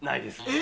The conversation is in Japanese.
え？